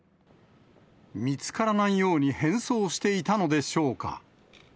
見つからないように変装していたのでしょうか。